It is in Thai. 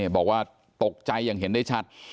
บอกว่าตกใจอย่างเห็นได้ชัด